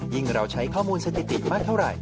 เราใช้ข้อมูลสถิติมากเท่าไหร่